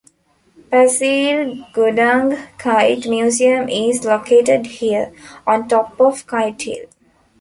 Pasir Gudang Kite Museum is located here, on top of Kite Hill.